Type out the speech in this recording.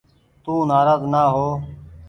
تو نآراز نآ هو ۔